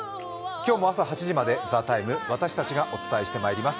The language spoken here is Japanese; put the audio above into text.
今日も朝８時まで「ＴＨＥＴＩＭＥ，」私たちがお伝えしてまいります。